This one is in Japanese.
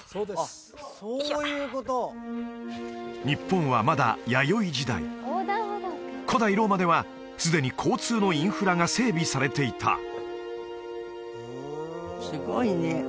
日本はまだ弥生時代古代ローマではすでに交通のインフラが整備されていた